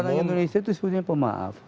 orang indonesia itu sebenarnya pemaaf